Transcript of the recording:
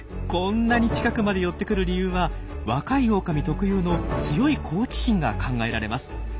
こんなに近くまで寄ってくる理由は若いオオカミ特有の強い好奇心が考えられます。